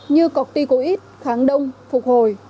như corticoid kháng đông phục hồi